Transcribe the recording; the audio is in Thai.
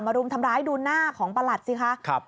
รุมทำร้ายดูหน้าของประหลัดสิคะ